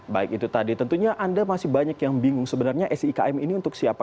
baik itu tadi tentunya anda masih banyak yang bingung sebenarnya sikm ini untuk siapa